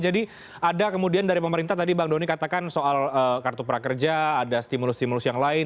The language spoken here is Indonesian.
jadi ada kemudian dari pemerintah tadi bang doni katakan soal kartu prakerja ada stimulus stimulus yang lain